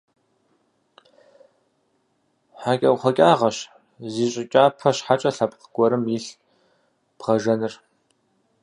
ХьэкӀэкхъуэкӀагъэщ зы щӀы кӀапэ щхьэкӀэ лъэпкъ гуэрым илъ бгъэжэныр.